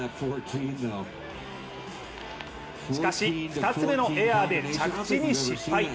しかし２つ目のエアで着地に失敗。